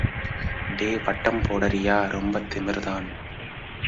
டே பட்டம் போடறியா?... ரொம்பத் திமிர்தான்!